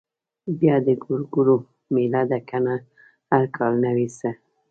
بيا د ګورګورو مېله ده کنه هر کال نه وي څه.